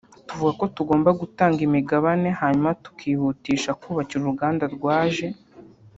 tuvuga ko tugomba gutanga imigabane hanyuma tukihutisha kubakira uruganda rwaje